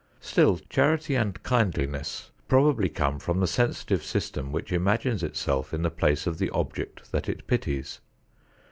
Still, charity and kindliness probably come from the sensitive system which imagines itself in the place of the object that it pities.